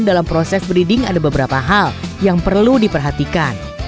dalam proses breeding ada beberapa hal yang perlu diperhatikan